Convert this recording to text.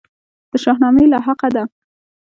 د شاهنامې لاحقه ده.